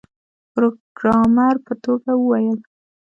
پروګرامر په ټوکه وویل